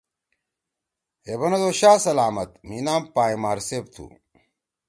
ہے بنَدُو: ”شاہ سلامت! مھی نام پائں مار صیب تُھو۔“